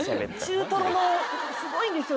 中とろのすごいんですよ